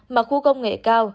mà khu công nghệ cao